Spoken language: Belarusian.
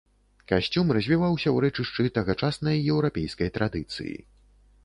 Касцюм развіваўся ў рэчышчы тагачаснай еўрапейскай традыцыі.